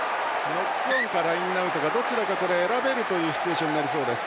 ノックオンかラインアウトかどちらか選べるというシチュエーションになりそうです。